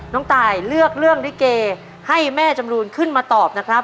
น้องตายเลือกเรื่องลิเกให้แม่จำรูนขึ้นมาตอบนะครับ